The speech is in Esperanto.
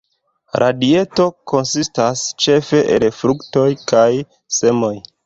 La dieto konsistas ĉefe el fruktoj kaj semoj.